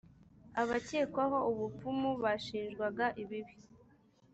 abakekwagaho ubupfumu bashinjwaga ibibi